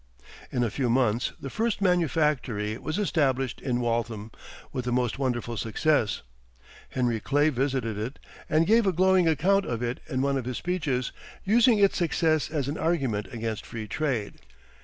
In a few months the first manufactory was established in Waltham, with the most wonderful success. Henry Clay visited it, and gave a glowing account of it in one of his speeches, using its success as an argument against free trade.